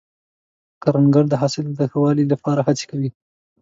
کروندګر د حاصل د ښه والي لپاره هڅې کوي